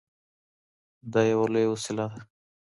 دا يوه لويه وسيله ده.